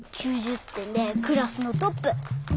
９０てんでクラスのトップ。